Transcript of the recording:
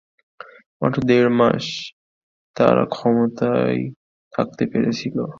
মাত্র দেড় মাস তারা ক্ষমতায় থাকতে পেরেছিল।